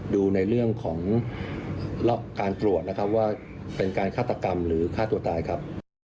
ดูในเรื่องของการตรวจนะครับว่าเป็นการฆาตกรรมหรือฆ่าตัวตายครับ